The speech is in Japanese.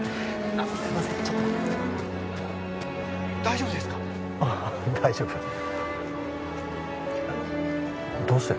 あっ大丈夫どうして？